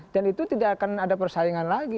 dan itu tidak akan ada persaingan lagi